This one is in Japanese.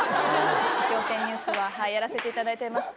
『仰天ニュース』はやらせていただいております。